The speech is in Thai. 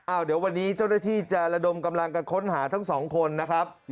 เดี๋ยววันนี้เจ้าหน้าที่จะระดมกำลังกันค้นหาทั้งสองคนนะครับ